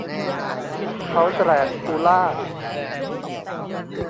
เค้าแดรกคูล่า